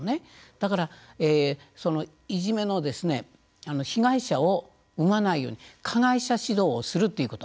だから、いじめの被害者を生まないように加害者指導をするということ。